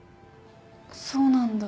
そうなんだ。